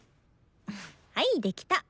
はいできた！